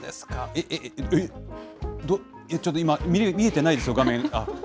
えっ、ちょっと今、見えてないですよ、画面。